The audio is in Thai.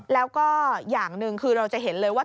แล้วก็อย่างหนึ่งคือเราจะเห็นเลยว่า